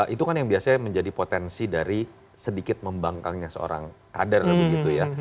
itu kan yang biasanya menjadi potensi dari sedikit membangkangnya seorang kader begitu ya